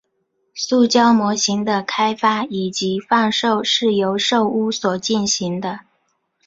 塑胶模型的开发以及贩售是由寿屋所进行的。